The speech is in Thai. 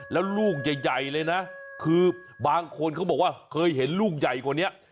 แล้วลูกใหญ่เลยนะคือบางคนเขาบอกว่าเคยเห็นลูกใหญ่กว่านี้